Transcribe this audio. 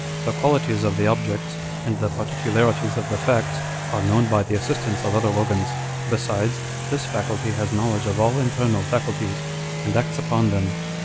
The qualities of the objects, and the particularities of the facts, are known by the assistance of other organs. Besides, this faculty has knowledge of all internal faculties, and acts upon them.